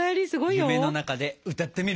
夢の中で歌ってみる？